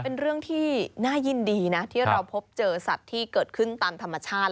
เป็นเรื่องที่น่ายินดีนะที่เราพบเจอสัตว์ที่เกิดขึ้นตามธรรมชาติ